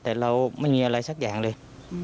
แต่เราไม่มีอะไรสักอย่างเลย